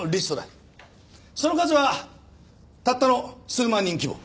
その数はたったの数万人規模。